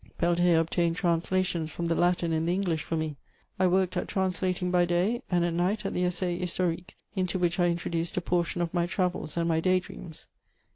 Peltier obtained translations from the Latin and the English for me; I worked at translating by day, and at night at the Essai historique, into which I introduced a portion of my travels and my day dreams.